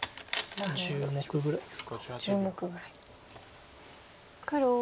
一応１０目ぐらいです。